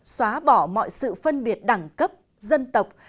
xóa bỏ mọi sự phân biệt đẳng cấp dân tộc